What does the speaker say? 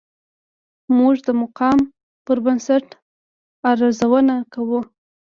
موږ د مقام پر بنسټ ارزونه کوو.